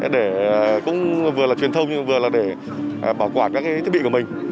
để cũng vừa là truyền thông vừa là để bảo quản các thiết bị của mình